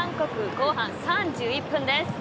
後半３１分です。